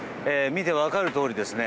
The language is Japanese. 見て分かるとおりですね